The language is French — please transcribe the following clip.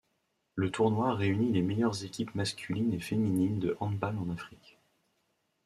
Le tournoi réunit les meilleures équipes masculines et féminines de handball en Afrique.